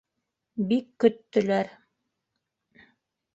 Бик көттөләр.